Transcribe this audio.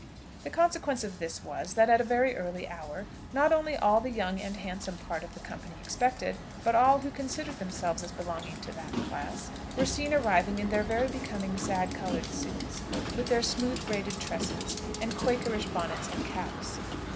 The consequence of this was, that at a very early hour, not only all the young and handsome part of the company expected, but all who considered themselves as belonging to that class, were seen arriving in their very becoming sad coloured suits, with their smooth braided tresses, and Quakerish bonnets and caps.